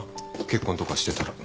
結婚とかしてたら。